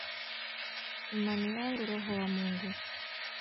Imani yangu roho wa Mungu